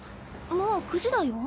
もう９時だよ。